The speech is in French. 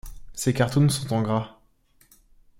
Ces cartoons sont en gras.